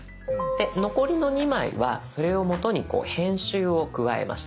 で残りの２枚はそれを元にこう編集を加えました。